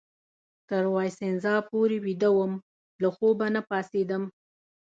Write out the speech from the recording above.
تر وایسینزا پورې بیده وم، له خوبه نه پاڅېدم.